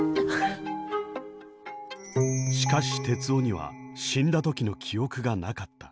しかし徹生には死んだ時の記憶がなかった。